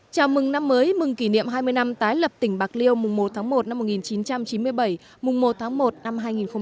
chào mừng năm mới mừng kỷ niệm hai mươi năm tái lập tỉnh bạc liêu mùng một tháng một năm một nghìn chín trăm chín mươi bảy mùng một tháng một năm hai nghìn hai mươi